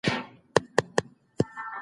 مسلم عبدالرازق پښتون محمدالدين ژواک